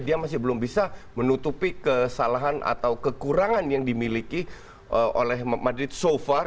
dia masih belum bisa menutupi kesalahan atau kekurangan yang dimiliki oleh madrid sofa